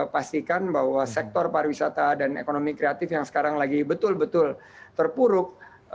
pastikan bahwa sektor pariwisata dan ekonomi kreatif yang sekarang lagi betul betul terpuruk